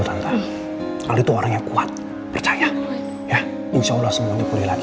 tante kalau itu orang yang kuat percaya ya insyaallah semuanya boleh lagi